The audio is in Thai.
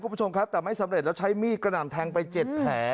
คุณผู้ชมครับแต่ไม่สำเร็จแล้วใช้มีดกระหน่ำแทงไป๗แผล